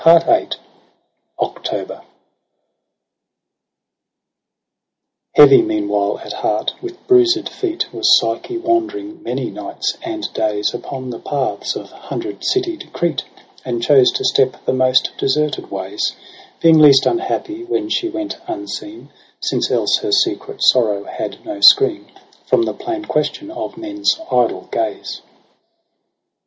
T a OCTOBER I ■LTEAVY meanwhile at heart, with bruised feet Was Psyche wandering many nights and days Upon the paths of hundred citied Crete, And chose to step the most deserted ways j Being least unhappy when she went unseen j Since else her secret sorrow had no screen From the plain question of men's idle gaze.